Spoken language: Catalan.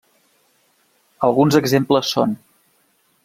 Alguns exemples són.